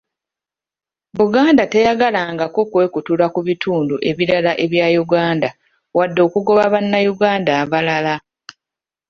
Buganda teyagalangako kwekutula ku bitundu ebirala ebya Uganda, wadde okugoba bannayuganda abalala.